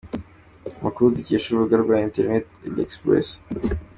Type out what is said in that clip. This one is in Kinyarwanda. Amakuru dukesha urubuga rwa interineti l’express.